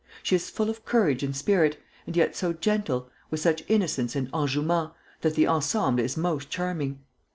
She is full of courage and spirit, and yet so gentle, with such innocence and enjouement, that the ensemble is most charming.